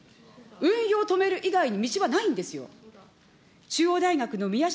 運用を止める以外に道はないんですよ。